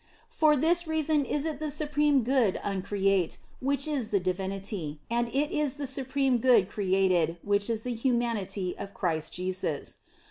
For this reason is it the Supreme Good uncreate, which is the Divinity, and it is the supreme good created, which is the humanity of Christ Jesus.